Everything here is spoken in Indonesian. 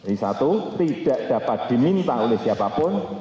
ini satu tidak dapat diminta oleh siapapun